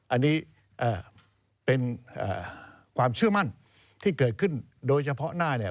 อันนี้เป็นความเชื่อมั่นที่เกิดขึ้นโดยเฉพาะหน้าเนี่ย